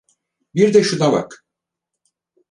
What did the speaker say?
Bir de şuna bak.